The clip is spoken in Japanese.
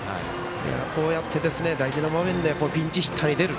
こうやって大事な場面でピンチヒッターとして出る。